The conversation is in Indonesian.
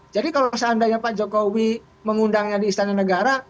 jadi kalau seandainya pak jokowi mengundangnya di istana negara